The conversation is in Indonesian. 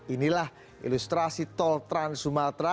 inilah ilustrasi tol trans sumatra